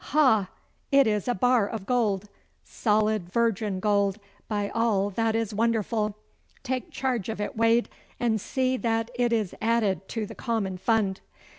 Ha! it is a bar of gold solid virgin gold by all that is wonderful. Take charge of it, Wade, and see that it is added to the common fund.